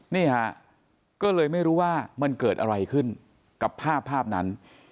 นี่ฮะก็เลยไม่รู้ว่ามันเกิดอะไรขึ้นกับภาพภาพนั้น